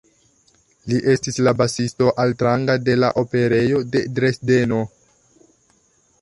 Li estis la basisto altranga de la Operejo de Dresdeno.